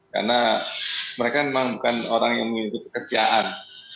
karena mereka memang bukan orang yang mencari pekerjaan